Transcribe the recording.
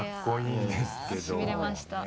いやしびれました。